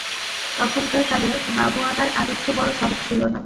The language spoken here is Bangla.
তখনকার কালের বাবুয়ানার আদর্শ বড়ো সহজ ছিল না।